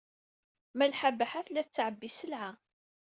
Malḥa Baḥa tella tettɛebbi sselɛa.